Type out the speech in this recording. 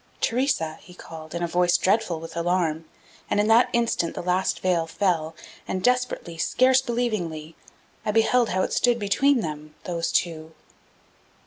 "Theresa!" he called, in a voice dreadful with alarm and in that instant the last veil fell, and desperately, scarce believingly, I beheld how it stood between them, those two.